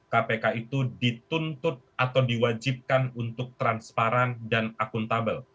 kpk itu dituntut atau diwajibkan untuk transparan dan akuntabel